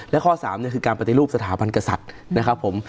และข้อ๓คือการปฏิรูปสถาบันกษัตริย์นะครับผม